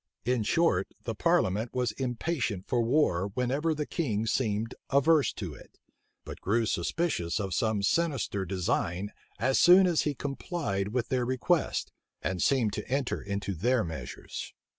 In short, the parliament was impatient for war whenever the king seemed averse to it; but grew suspicious of some sinister design as soon as he complied with their requests, and seemed to enter into their measures.